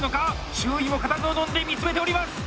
周囲も固唾をのんで見つめております！